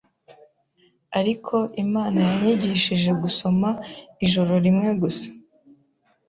ariko Imana yanyigishije gusoma ijoro rimwe gusa